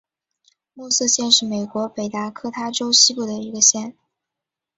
默瑟县是美国北达科他州西部的一个县。